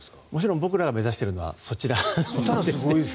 僕らが目指しているのはそちらです。